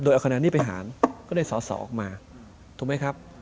โดยเอาคะแนนนี้ไปหารก็ได้สอสอออกมาถูกไหมครับ